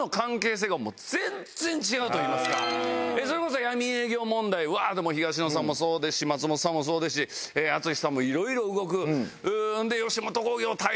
それこそ闇営業問題ワっと東野さんもそうですし松本さんもそうですし淳さんもいろいろ動く。